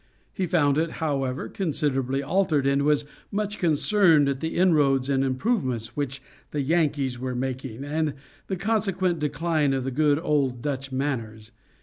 He found it, however, considerably altered, and was much concerned at the inroads and improvements which the Yankees were making, and the consequent decline of the good old Dutch manners.